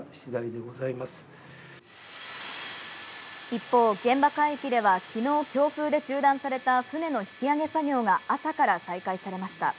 一方、現場海域では昨日、強風で中断された船の引き揚げ作業が朝から再開されました。